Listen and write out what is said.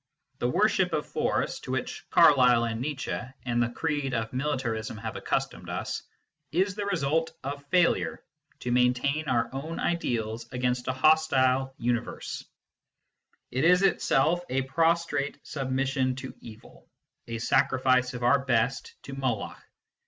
The worship of Force, to which Carlyle and Nietzsche and the creed of Militarism have accustomed us, is the result of failure to maintain our own ideals against a hostile universe : it is itself a prostrate submission to evil, a sacrifice of our best to Moloch.